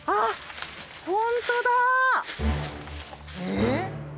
えっ！